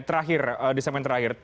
terakhir di segmen terakhir